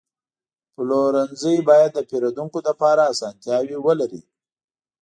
پلورنځی باید د پیرودونکو لپاره اسانتیاوې ولري.